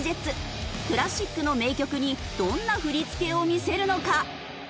クラシックの名曲にどんな振り付けを見せるのか？